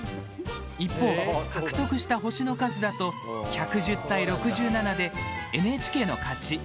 一方、獲得した星の数だと１１０対６７でＮＨＫの勝ち。